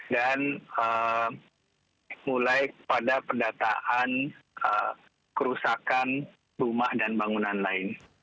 dan mulai pada pendataan kerusakan rumah dan bangunan lain